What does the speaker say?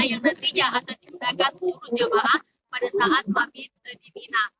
yang nantinya akan digunakan seluruh jemaah pada saat mabit di mina